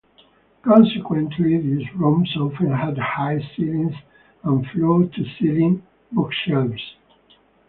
Consequently, these rooms often had high ceilings and floor-to-ceiling bookshelves.